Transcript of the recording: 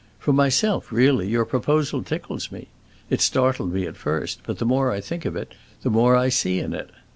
For myself, really, your proposal tickles me. It startled me at first, but the more I think of it the more I see in it.